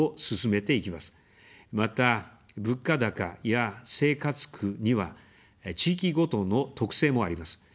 また、物価高や生活苦には地域ごとの特性もあります。